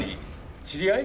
知り合い？